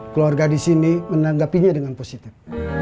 keluarga disini menanggapinya dengan positif